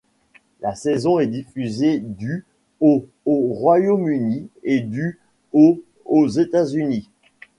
La saison est diffusée du au au Royaume-Uni et du au aux États-Unis.